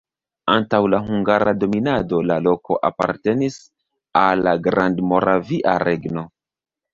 Antaŭ la hungara dominado la loko apartenis al la Grandmoravia Regno.